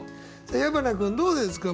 矢花君どうですか？